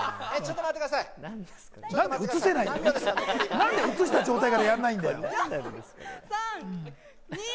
なんで移した状態からやらないのよ！